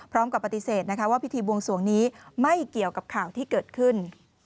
พร้อมกับปฏิเสธว่าพิธีบวงสวงนี้ไม่เกี่ยวกับข่าวที่เกิดขึ้น